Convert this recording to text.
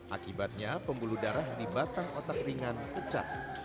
akibatnya pembuluh darah di batang otak ringan pecah